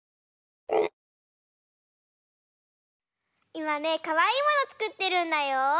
いまねかわいいものつくってるんだよ。